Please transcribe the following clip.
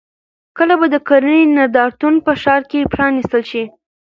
کله به د کرنې نندارتون په ښار کې پرانیستل شي؟